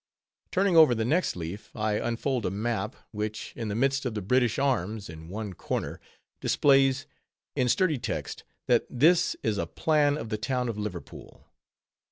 _ Turning over the next leaf, I unfold a map, which in the midst of the British Arms, in one corner displays in sturdy text, that this is _"A Plan of the Town of Liverpool."